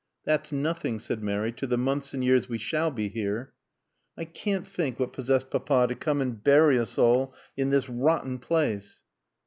"That's nothing," said Mary, "to the months and years we shall be here." "I can't think what possessed Papa to come and bury us all in this rotten place."